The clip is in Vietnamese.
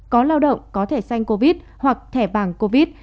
có lao động có thể sanh covid hoặc thể bằng covid